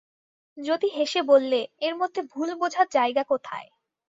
যতী হেসে বললে, এর মধ্যে ভুল বোঝার জায়গা কোথায়।